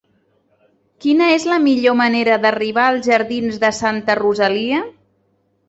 Quina és la millor manera d'arribar als jardins de Santa Rosalia?